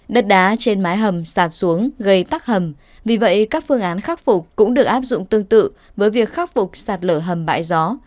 đất đá trên mái hầm sạt xuống gây tắc hầm vì vậy các phương án khắc phục cũng được áp dụng tương tự với việc khắc phục sạt lở hầm bãi gió